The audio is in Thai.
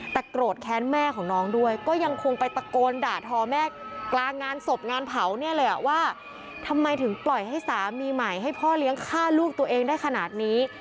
แต่โกรธแค้นแม่ของน้องด้วยก็ยังคงไปตะโกนด่าทอแม่กลางงานศพงานเผาเนี่ยเลยว่าทำไมถึงปล่อยให้สามีใหม่ให้พ่อเลี้ยงฆ่าลูกตัวเองได้ขนาดนี้